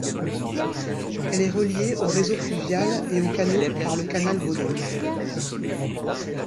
Elle est reliée au réseau fluvial et aux canaux par le canal Baudouin.